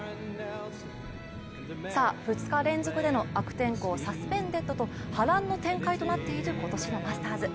２日連続での悪天候サスペンデッドと波乱の展開となっている今年のマスターズ。